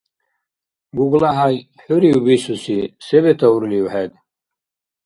ГуглахӀяй, хӀурив бисуси, се бетаурлив хӀед?